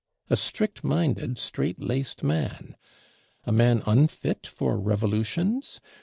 A strict minded, strait laced man! A man unfit for Revolutions?